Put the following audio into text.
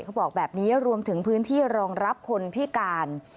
เขาบอกแบบนี้รวมถึงพื้นที่รองรับคนพิการ